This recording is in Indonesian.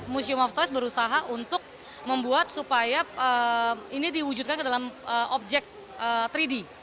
museum of toys berusaha untuk membuat supaya ini diwujudkan ke dalam objek tiga d